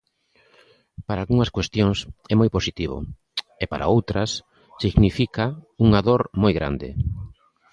Para algunhas cuestións é moi positivo e, para outras, significa unha dor moi grande.